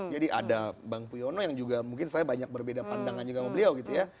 jadi ada bang puyoono yang juga mungkin saya banyak berbeda pandangan juga sama beliau gitu ya